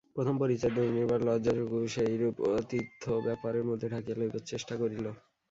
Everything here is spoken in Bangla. প্রথম পরিচয়ের দুর্নিবার লজ্জাটুকু সে এইরূপ আতিথ্যব্যাপারের মধ্যে ঢাকিয়া লইবার চেষ্টা করিল।